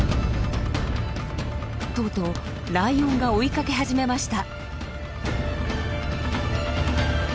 とうとうライオンが追いかけ始めました。